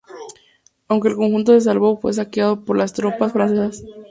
Aunque el conjunto se salvó fue saqueado por las tropas francesas.